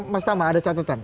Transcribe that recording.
mas tama ada catatan